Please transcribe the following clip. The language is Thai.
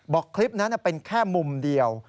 บอกว่าคลิปนั้นเป็นแค่มุมเดียว